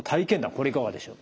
これいかがでしょう？